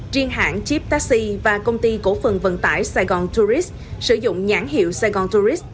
riêng hãng jeep taxi và công ty cổ phần vận tải saigon tourist sử dụng nhãn hiệu saigon tourist